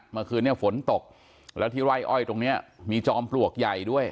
เมื่อคืนนี้ฝนตกแล้วที่ไร่อ้อยตรงนี้มีจอมปลวกใหญ่ด้วย